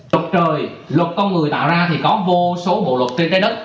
trục trời luật con người tạo ra thì có vô số bộ luật trên trái đất